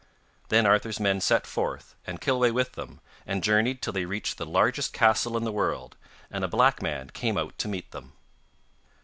Then Arthur's men set forth, and Kilweh with them, and journeyed till they reached the largest castle in the world, and a black man came out to meet them.